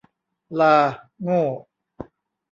ลาโง่